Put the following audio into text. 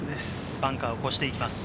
バンカーを越していきます。